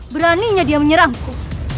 beraninya dia menyerangku